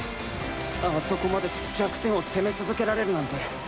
あそこまで弱点を攻め続けられるなんて。